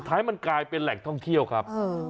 สุดท้ายมันกลายเป็นแหลกท่องเที่ยวครับเออ